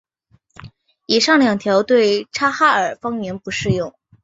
以上两条对察哈尔方言不适用。